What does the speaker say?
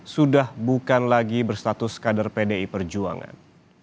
sudah bukan lagi berstatus kader pdi perjuangan